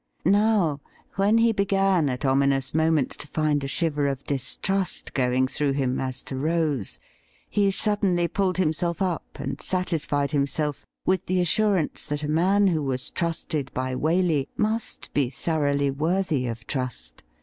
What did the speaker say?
Now, when he began at ominous moments to find a shiver of distrust going through him as to Rose, he suddenly pulled himself up and satisfied himself with the assurance that a man who was trusted by Waley must be thoroughly worthy of trust.